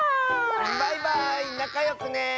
バイバーイなかよくね。